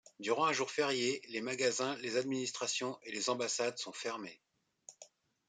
Durant un jour férié, les magasins, les administrations et les ambassades sont fermés.